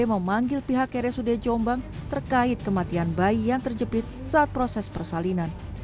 memanggil pihak rsud jombang terkait kematian bayi yang terjepit saat proses persalinan